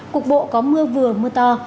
cục bộ có mưa vừa mưa to